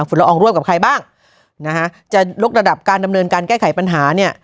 ละอองร่วมกับใครบ้างนะฮะจะยกระดับการดำเนินการแก้ไขปัญหาเนี่ย